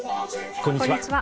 こんにちは。